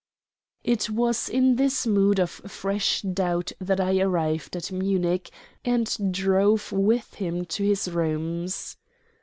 It was in this mood of fresh doubt that I arrived at Munich, and drove with him to his rooms.